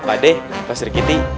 pak deh pak sergiti